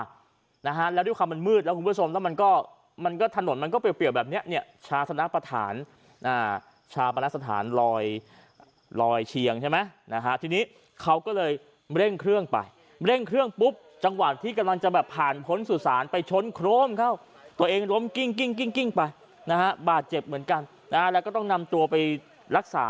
นะฮะแล้วด้วยความมันมืดแล้วคุณผู้ชมแล้วมันก็มันก็ถนนมันก็เรียบแบบเนี้ยเนี่ยชาชนะประธานอ่าชาปนสถานลอยลอยเชียงใช่ไหมนะฮะทีนี้เขาก็เลยเร่งเครื่องไปเร่งเครื่องปุ๊บจังหวะที่กำลังจะแบบผ่านพ้นสุสานไปชนโครมเข้าตัวเองล้มกิ้งกิ้งกิ้งไปนะฮะบาดเจ็บเหมือนกันนะฮะแล้วก็ต้องนำตัวไปรักษา